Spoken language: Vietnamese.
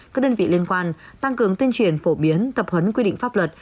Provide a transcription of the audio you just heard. các đơn vị liên quan tăng cường tuyên truyền phổ biến tập huấn quy định pháp luật